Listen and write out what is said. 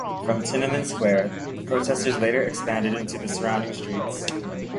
From Tiananmen Square, the protesters later expanded into the surrounding streets.